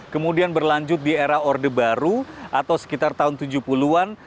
kemudian berlanjut di era orde baru atau sekitar tahun tujuh puluh an